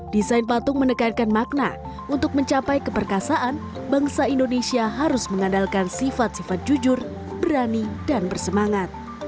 desain patung menekankan makna untuk mencapai keperkasaan bangsa indonesia harus mengandalkan sifat sifat jujur berani dan bersemangat